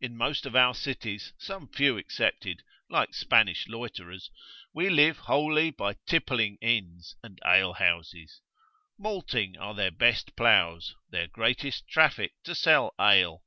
In most of our cities, some few excepted, like Spanish loiterers, we live wholly by tippling inns and alehouses. Malting are their best ploughs, their greatest traffic to sell ale.